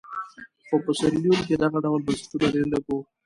خو په سیریلیون کې دغه ډول بنسټونه ډېر لږ وو.